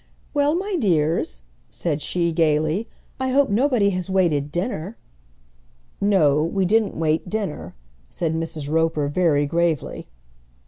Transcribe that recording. "Well, my dears," said she, gaily, "I hope nobody has waited dinner." "No; we didn't wait dinner," said Mrs. Roper, very gravely.